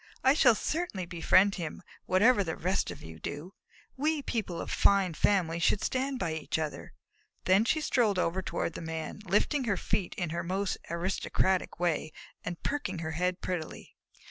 I shall certainly befriend him, whatever the rest of you do. We people of fine families should stand by each other." Then she strolled over toward the Man, lifting her feet in her most aristocratic way and perking her head prettily.